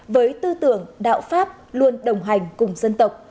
với tư tưởng đạo pháp luôn đồng hành cùng dân tộc